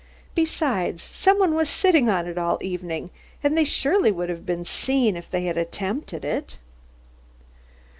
Besides, some one was sitting on it all evening, and they surely would have been seen if they had attempted it."